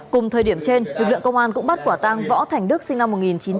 cùng thời điểm trên lực lượng công an cũng bắt quả tang võ thành đức sinh năm một nghìn chín trăm tám mươi